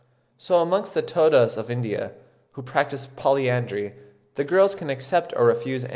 So amongst the Todas of India, who practise polyandry, the girls can accept or refuse any man.